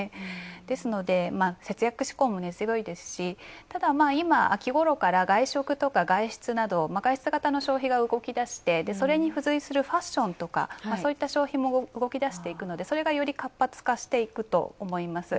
ですので、節約志向も根強いですしただ、今、秋ごろから外食とか外出など、外出型の消費が動きだして、それに付随するファッションとかそういった消費も動き出していくので、それがより活発化していくと思います。